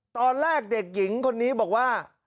ตอนแรกเด็กหญิงคนนี้บอกว่า